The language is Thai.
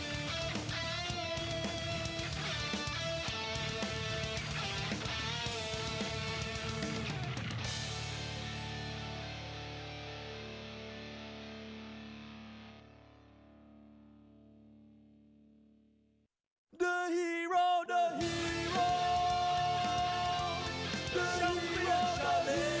ฮีรอร์ฮีรอร์ฮีรอร์ชัมปินชาลีน